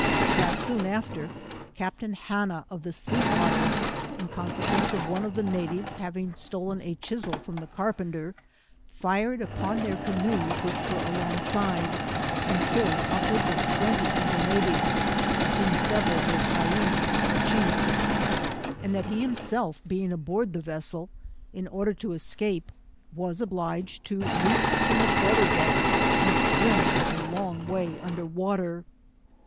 That goon after Captain Hanna, of the Sea Otter in consequence of one of the natives having stolen a chisel from the carpenter, fired upon their caooes which were along side, and killed upwards of twenty of the natives, of whom several were Tijee^ or chiefs, and that he himself being on board the vessel, in order to escape was obliged to leap from the quarter deck, and swiifi for a long way under water.